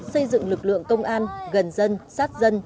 xây dựng lực lượng công an gần dân sát dân